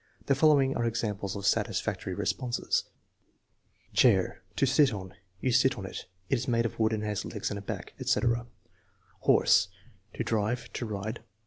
The fol lowing are examples of satisfactory responses: Chair: "To sit on." "You sit on it." "It is made of wood and has legs and back," etc. Horse: "To drive." "To ride."